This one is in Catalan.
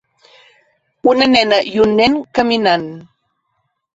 Una nena i un nen caminant.